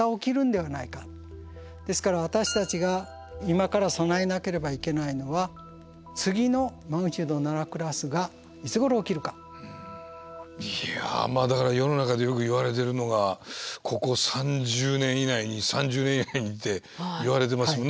ですから私たちが今から備えなければいけないのはいやだから世の中でよくいわれてるのがここ３０年以内に３０年以内にっていわれてますよね